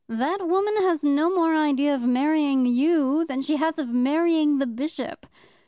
"That woman has no more idea of marrying you than she has of marrying the Bishop.